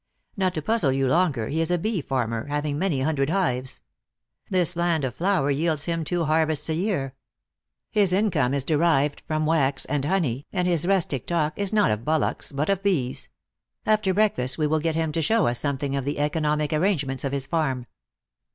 Not to puzzle you longer, he is a bee farmer, having many hundred hives. This land of flowers yields him two harvests a year. His income is derived from wax arid honey, and his rustic talk is not of bullocks, but of bees. After breakfast, we will get him to show us something of the economic arrangements of his farm."